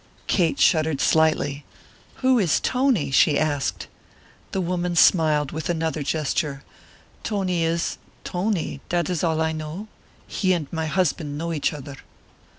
Kate shuddered slightly. "Who is Tony?" she asked. The woman smiled with another gesture. "Tony is Tony; that is all I know. He and my husband know each other."